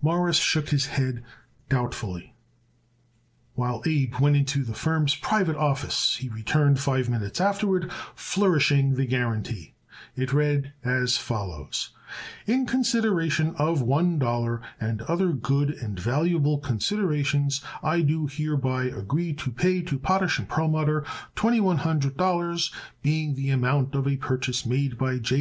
Morris shook his head doubtfully, while Abe went into the firm's private office. He returned five minutes afterward flourishing the guarantee. It read as follows: In consideration of one dollar and other good and valuable considerations I do hereby agree to pay to Potash & Perlmutter Twenty one hundred dollars ($2100) being the amount of a purchase made by J.